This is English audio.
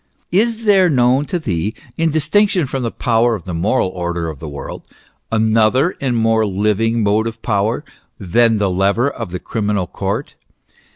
Is there known to thee, in distinction from the power of the moral order of the world, " another and more living motive power " than the lever of the criminal court